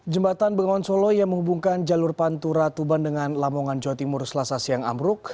jembatan bengon solo yang menghubungkan jalur pantura tuban dengan lamongan jawa timur selasa siang amruk